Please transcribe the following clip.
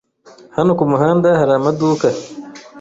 Hano kumuhanda hari amaduka.